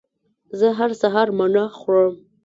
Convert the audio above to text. زه هر سهار مڼه خورم